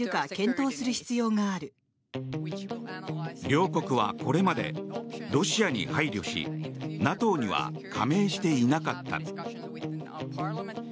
両国はこれまでロシアに配慮しＮＡＴＯには加盟していなかった。